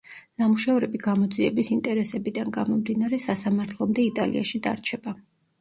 ნამუშევრები გამოძიების ინტერესებიდან გამომდინარე, სასამართლომდე იტალიაში დარჩება.